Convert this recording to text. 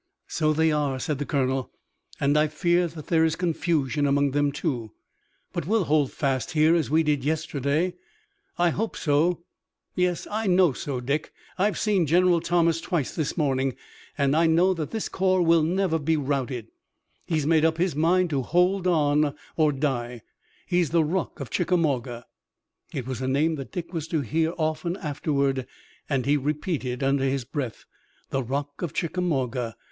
"So they are," said the colonel, "and I fear that there is confusion among them, too." "But we'll hold fast here as we did yesterday!" "I hope so. Yes, I know so, Dick. I've seen General Thomas twice this morning, and I know that this corps will never be routed. He's made up his mind to hold on or die. He's the Rock of Chickamauga." It was a name that Dick was to hear often afterward, and he repeated under his breath: "The Rock of Chickamauga!